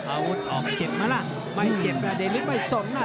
อาวุธออกมาเก็บมาแล้วไม่เก็บแล้วเดทฤทธิ์ไม่ส่งนะ